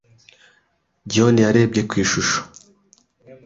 John yarebye ku ishusho.